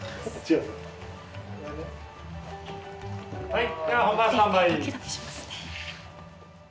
はい。